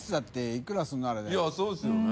いやそうですよね。